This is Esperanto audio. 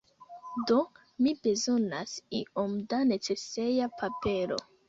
Do mi bezonas iom da neceseja papero.